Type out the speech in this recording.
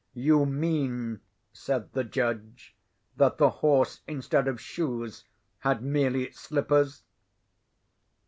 ] "You mean," said the judge, "that the horse, instead of shoes, had merely slippers?"